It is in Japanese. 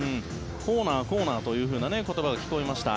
コーナー、コーナーという言葉が聞こえました。